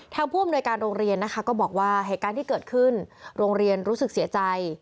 ผู้อำนวยการโรงเรียนนะคะก็บอกว่าเหตุการณ์ที่เกิดขึ้นโรงเรียนรู้สึกเสียใจ